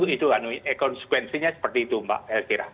itu konsekuensinya seperti itu mbak elvira